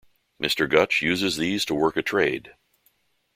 Mr. Gutch uses these to work a trade.